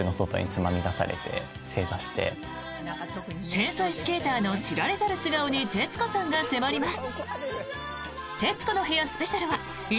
天才スケーターの知られざる素顔に徹子さんが迫ります。